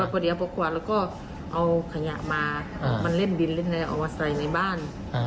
พอเดี๋ยวปกกวาดแล้วก็เอาขยะมามันเล่นบินเอามาใส่ในบ้าน